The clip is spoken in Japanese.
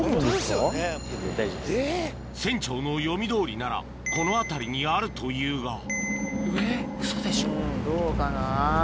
船長の読みどおりならこの辺りにあるというが・えっウソでしょ・・どうかな？